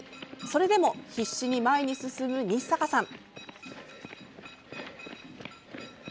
それでも必死に前に進む日坂さん。